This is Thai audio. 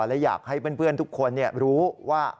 และอยากให้เพื่อนทุกคนรู้ว่า